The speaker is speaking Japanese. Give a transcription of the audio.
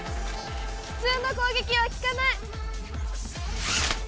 普通の攻撃は効かない！